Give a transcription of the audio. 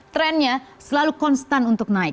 trennya selalu konstan untuk naik